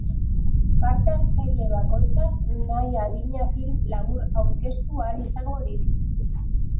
Parte hartzaile bakoitzak nahi adina film labur aurkeztu ahal izango ditu.